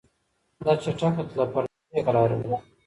دا چټکه تله پر لار زوی یې کرار و